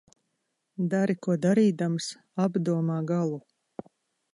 Dari ko darīdams, apdomā galu.